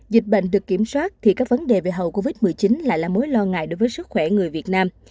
dịch bệnh được kiểm soát thì các vấn đề về hậu covid một mươi chín lại là mối lo ngại đối với sức khỏe người việt nam